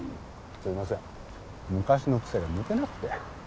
すいません昔の癖が抜けなくて。